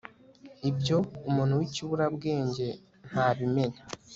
ibyo umuntu w'ikiburabwenge ntabimenya